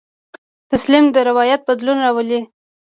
تسلیم د روایت بدلون راولي.